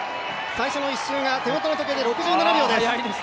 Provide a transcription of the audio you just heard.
最初の１周が手元の時計で６７秒です。